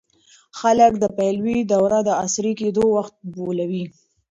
خلک د پهلوي دوره د عصري کېدو وخت بولي.